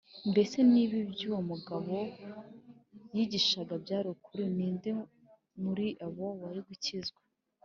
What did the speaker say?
mbese niba ibyo uwo mugabo yigishaga byari ukuri, ni nde muri bo wari gukizwa?